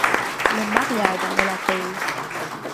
Le mariage en est la cause.